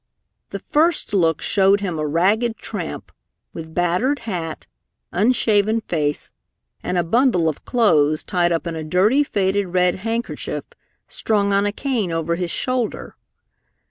The first look showed him a ragged tramp with battered hat, unshaven face and a bundle of clothes tied up in a dirty, faded red handkerchief strung on a cane over his shoulder.